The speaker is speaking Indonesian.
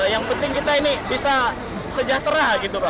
yang penting kita ini bisa sejahtera gitu pak